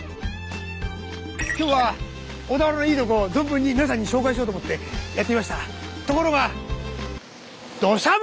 今日は小田原のいいとこを存分に皆さんに紹介しようと思ってやって来ました。